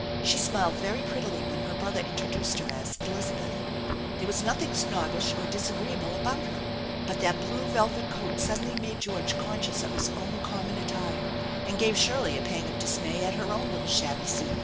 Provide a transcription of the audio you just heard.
She smiled very prettily when her brother introduced her as " Elizabeth." There was nothing snobbish or disagreeable about her, but that blue velvet coat suddenly made George conscious of his own com mon attire, and gave Shirley a pang of dismay at her own little shabby suit.